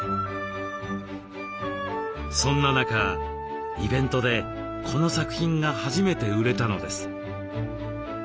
そんな中イベントでこの作品が初めて売れたのです。